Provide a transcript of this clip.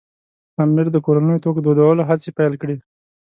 امیر د کورنیو توکو دودولو هڅې پیل کړې.